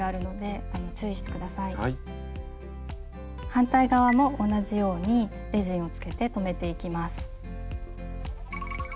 反対側も同じようにレジンをつけて留めていきます。